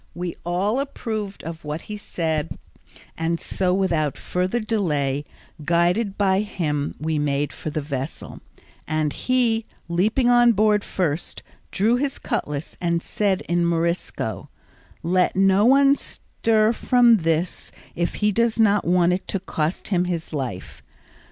We all approved of what he said, and so without further delay, guided by him we made for the vessel, and he leaping on board first, drew his cutlass and said in Morisco, "Let no one stir from this if he does not want it to cost him his life."